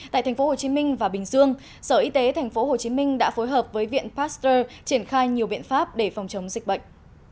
tại tp hcm và bình dương sở y tế tp hcm đã phối hợp với viện pasteur triển khai nhiều biện pháp để phòng chống dịch bệnh